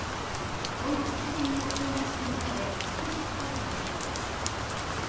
午後８時に投票が締め切られ即日開票されます。